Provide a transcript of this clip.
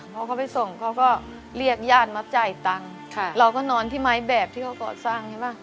พอเขาไปส่งเขาก็เรียกญาติมาจ่ายตังค์ค่ะเราก็นอนที่ไม้แบบที่เขาก่อสร้างใช่ป่ะ